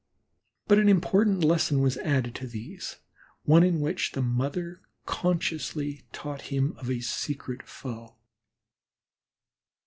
But an important lesson was added to these, one in which the mother consciously taught him of a secret foe.